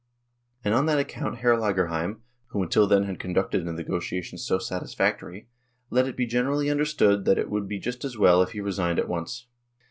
And on that account Hr. Lagerheim, who until then had conducted the negotiations so satisfactorily, let it be generally understood that it would be just as well if he resigned at once.